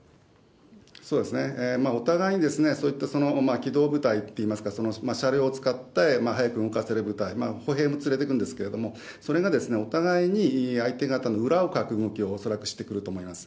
そうですね、お互いにそういった機動部隊っていいますか、車両を使って早く動かせる部隊、歩兵を連れていくんですけども、それがお互いに相手方の裏をかく動きを、恐らくしてくると思います。